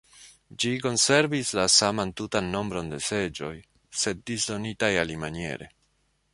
Ĝi konservis la saman tutan nombron de seĝoj, sed disdonitaj alimaniere.